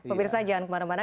pemirsa jangan kemana mana